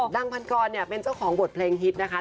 ดังพันกรเนี่ยเป็นเจ้าของบทเพลงฮิตนะคะ